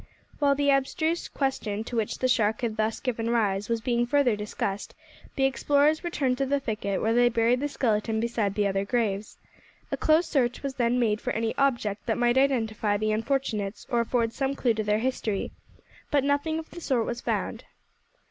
While the abstruse question, to which the shark had thus given rise, was being further discussed, the explorers returned to the thicket, where they buried the skeleton beside the other graves. A close search was then made for any object that might identify the unfortunates or afford some clue to their history, but nothing of the sort was found.